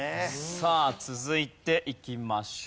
さあ続いていきましょう。